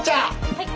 はい！